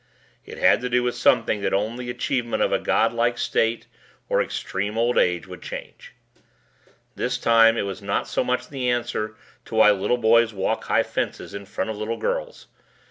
It had to do with something that only the achievement of a God like state or extreme old age would change. This time it was not so much the answer to why little boys walk high fences in front of little girls.